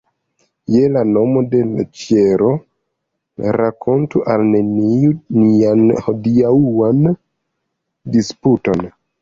Je la nomo de l' ĉielo, rakontu al neniu nian hodiaŭan disputon!